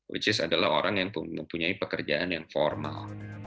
which is adalah orang yang mempunyai pekerjaan yang formal